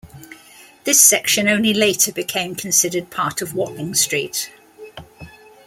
This section only later became considered part of Watling Street.